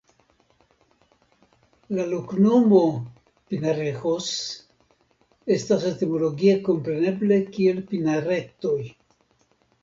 La loknomo "Pinarejos" estas etimologie komprenebla kiel Pinaretoj.